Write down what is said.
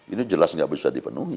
ini jelas nggak bisa dipenuhi